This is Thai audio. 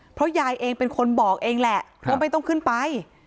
เพราะยายเองเป็นคนบอกเองแหละว่าไม่ต้องขึ้นไป